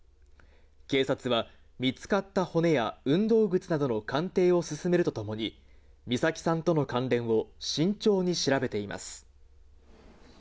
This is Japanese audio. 警察は見つかった骨や運動靴などの鑑定を進めるとともに、美咲さんとの関連を慎重に調べています。